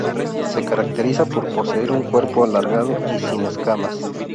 Se caracteriza por poseer un cuerpo alargado y sin escamas.